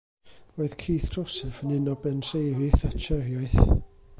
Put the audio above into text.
Roedd Keith Joseph yn un o benseiri Thatcheriaeth.